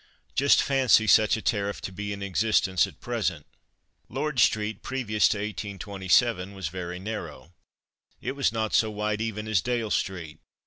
Just fancy such a tariff to be in existence at present! Lord street, previous to 1827, was very narrow; it was not so wide even as Dale street.